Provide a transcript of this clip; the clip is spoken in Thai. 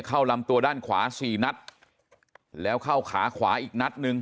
ลำตัวด้านขวาสี่นัดแล้วเข้าขาขวาอีกนัดหนึ่ง